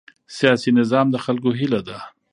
سیاسي نظام د خلکو هیله ده